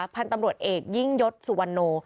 พันธุ์ตำรวจเอกยิ่งยศสุวรรณโน